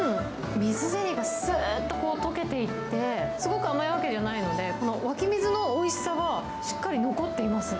水ゼリーがすーっと溶けていって、すごく甘いわけじゃないので、この湧き水のおいしさがしっかり残っています。